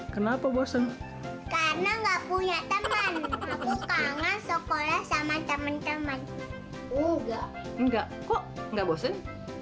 kenapa bosen karena nggak punya teman aku kangen sekolah sama teman teman enggak enggak kok enggak bosen